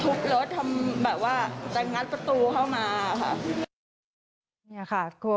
ทุบรถทำแบบว่าจะงัดประตูเข้ามาค่ะ